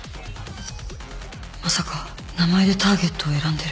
まさか名前でターゲットを選んでる？